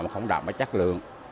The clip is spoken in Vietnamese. mà không đạt bấy chất lượng